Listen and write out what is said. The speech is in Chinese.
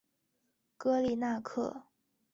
戈利纳克。